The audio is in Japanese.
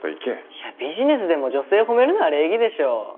いやビジネスでも女性を褒めるのは礼儀でしょう？